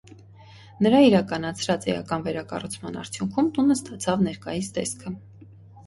Նրա իրականացրած էական վերակառուցման արդյունքում տունը ստացավ ներկայիս տեսքը։